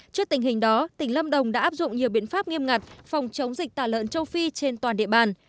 trước tình hình đó tỉnh lâm đồng đã áp dụng nhiều biện pháp nghiêm ngặt phòng chống dịch tả lợn châu phi trên toàn địa bàn